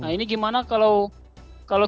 ini bagaimana kalau